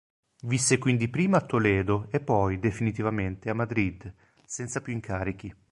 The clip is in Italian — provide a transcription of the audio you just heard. Visse quindi prima a Toledo e poi, definitivamente, a Madrid, senza più incarichi.